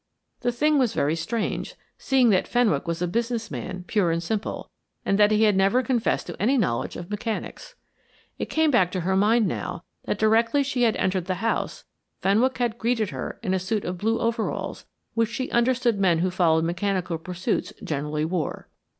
The thing was very strange, seeing that Fenwick was a business man pure and simple, and that he had never confessed to any knowledge of mechanics. It came back to her mind now, that directly she had entered the house Fenwick had greeted her in a suit of blue overalls which she understood men who followed mechanical pursuits generally wore.